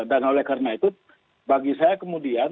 dan oleh karena itu bagi saya kemudian